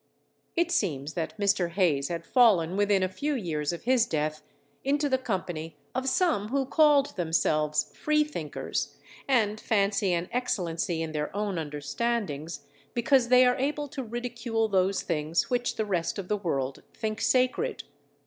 It seems that Mr. Hayes had fallen, within a few years of his death, into the company of some who called themselves Free thinkers and fancy an excellency in their own understandings because they are able to ridicule those things which the rest of the world think sacred.